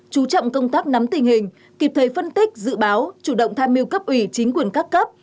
chú trọng công tác nắm tình hình kịp thời phân tích dự báo chủ động tham mưu cấp ủy chính quyền các cấp